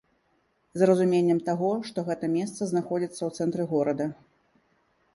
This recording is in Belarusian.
З разуменнем таго, што гэта месца знаходзіцца ў цэнтры горада.